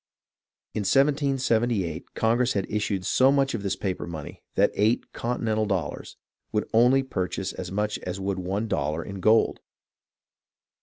In 1778, Congress had issued so much of this paper money that eight " continental dollars " would only pur chase as much as would one dollar in gold.